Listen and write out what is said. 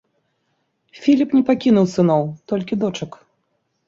Філіп не пакінуў сыноў, толькі дочак.